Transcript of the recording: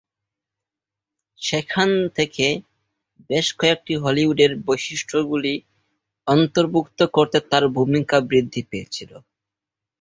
সেখান থেকে বেশ কয়েকটি হলিউডের বৈশিষ্ট্যগুলি অন্তর্ভুক্ত করতে তার ভূমিকা বৃদ্ধি পেয়েছিল।